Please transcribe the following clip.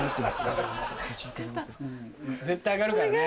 絶対上がるからね。